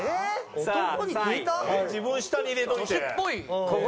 自分下に入れといて。